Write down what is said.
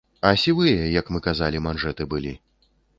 А сівыя, як мы казалі, манжэты былі.